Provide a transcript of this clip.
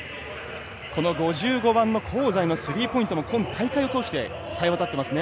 ５５番の香西のスリーポイントも大会通してさえ渡っていますね。